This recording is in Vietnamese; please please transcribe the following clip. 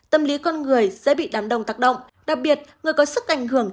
tâm lý con người sẽ bị đám đông tác động đặc biệt người có sức ảnh hưởng